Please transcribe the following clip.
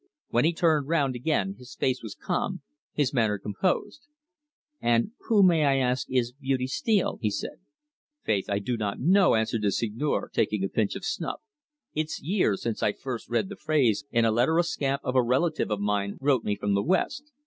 When he turned round again his face was calm, his manner composed. "And who, may I ask, is Beauty Steele?" he said. "Faith I do not know," answered the Seigneur, taking a pinch of snuff. "It's years since I first read the phrase in a letter a scamp of a relative of mine wrote me from the West.